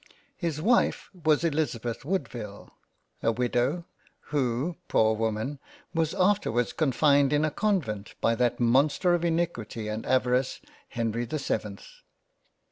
His Wife was Elizabeth Woodville, a Widow who, poor Woman ! was afterwards confined in a Convent by that Monster of Iniquity and Avarice Henry the 7th.